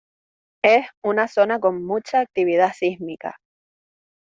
Es una zona con mucha actividad sísmica.